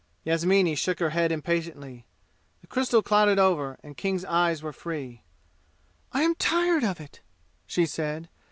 Yasmini shook her head impatiently. The crystal clouded over, and King's eyes were free. "I am tired of it," she said.